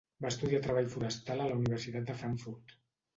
Va estudiar treball forestal a la Universitat de Frankfurt.